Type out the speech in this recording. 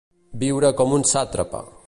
Viure com un sàtrapa.